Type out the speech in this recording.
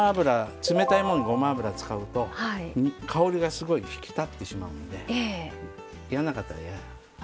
冷たいものにごま油を使うと香りがすごい引き立ってしまうので嫌な方は嫌。